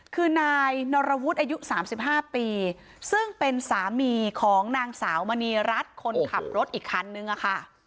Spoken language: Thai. คือนายนรวุฒิอายุ๓๕ปีซึ่งเป็นสามีของนางสาวมณีรัฐคนขับรถอีกคันนึงอะค่ะ